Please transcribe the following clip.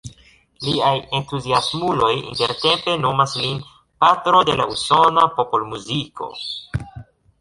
Liaj entuziasmuloj intertempe nomas lin „patro de la usona popolmuziko“.